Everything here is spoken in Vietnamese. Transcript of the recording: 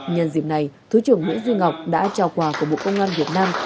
nhân dịp này thứ trưởng nguyễn duy ngọc đã trao quà của bộ công an việt nam